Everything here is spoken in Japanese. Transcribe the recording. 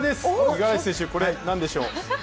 五十嵐選手、これ、何でしょう？